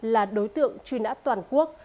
là đối tượng truy nã toàn quốc